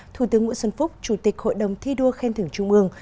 thủ tướng nguyễn xuân phúc chủ tịch hội đồng thi đua khen thưởng trung ương